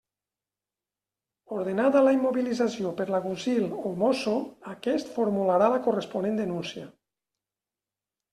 Ordenada la immobilització per l'agutzil o mosso, aquest formularà la corresponent denúncia.